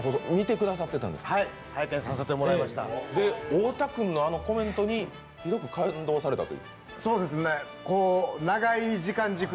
太田君のあのコメントにひどく感動されたと？